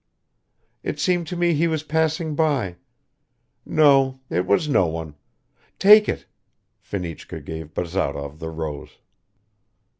"It seemed to me he was passing by. No ... it was no one. Take it." Fenichka gave Bazarov the rose.